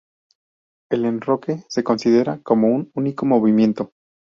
El enroque se considera como un único movimiento.